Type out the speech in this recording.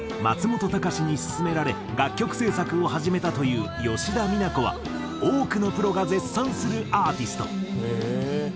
松本隆に勧められ楽曲制作を始めたという吉田美奈子は多くのプロが絶賛するアーティスト。